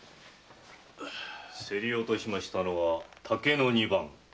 競り落としましたのは竹の二番。